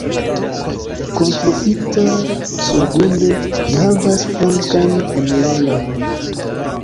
Konstruita surgrunde, ĝi havas flankan enirejon.